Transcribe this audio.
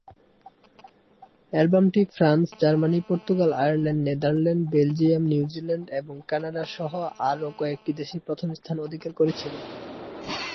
অ্যালবামটি France, Germany, Portugal, Ireland, Netherlands, Belgium, New Zealand, এবং Canada সহ আরও কয়েকটি দেশে প্রথম স্থান অধিকার করেছিল।